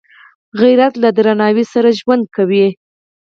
غیرت له درناوي سره ژوند کوي